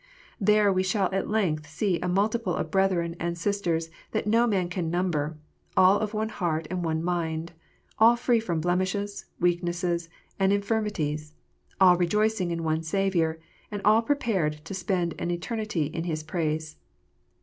There we shall at length see a multitude of brethren and sisters that no man can number, all of one heart and one mind, all free from blemishes, weaknesses, and infirmities, all rejoicing in one Saviour, and all prepared to spend an eternity in His praise.